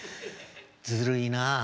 ずるいなあ。